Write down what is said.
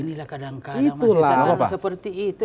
inilah kadang kadang masyarakat seperti itu